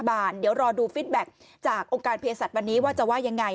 เดี๋ยวรอดูฟิตแบ็คจากองค์การเพศสัตว์วันนี้ว่าจะว่ายังไง